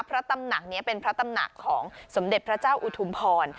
พระตำหนักนี้เป็นพระตำหนักของสมเด็จพระเจ้าอุทุมพร